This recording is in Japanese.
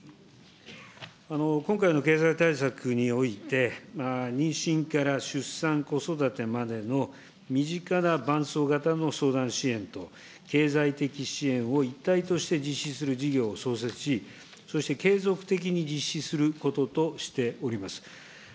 今回の経済対策において、妊娠から出産、子育てまでの身近な伴走型の相談支援と経済的支援を一体として実施する事業を創設し、そして継続的に実施することとしております。